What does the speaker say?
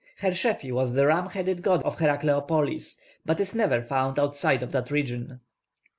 +Hershefi+ was the ram headed god of Herakleopolis, but is never found outside of that region.